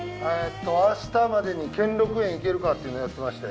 明日までに兼六園行けるかっていうのやってまして。